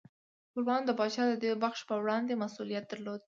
خپلوانو د پاچا د دې بخشش په وړاندې مسؤلیت درلود.